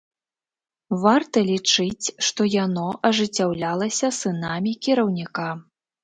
Варта лічыць, што яно ажыццяўлялася сынамі кіраўніка.